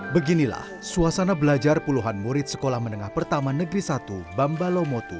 beginilah suasana belajar puluhan murid sekolah menengah pertama negeri satu bambalomotu